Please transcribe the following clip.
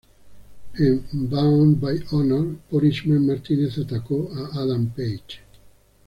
En "Bound By Honor", Punishment Martinez atacó a Adam Page.